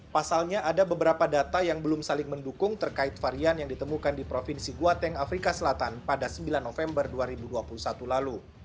pasalnya ada beberapa data yang belum saling mendukung terkait varian yang ditemukan di provinsi guateng afrika selatan pada sembilan november dua ribu dua puluh satu lalu